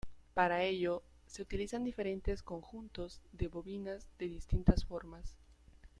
Para ello se utilizan diferentes conjuntos de bobinas de distintas formas.